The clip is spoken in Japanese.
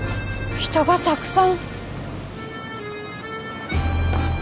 人がたくさん。